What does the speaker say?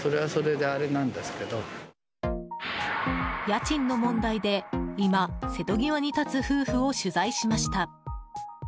家賃の問題で今、瀬戸際に立つ夫婦を取材しました。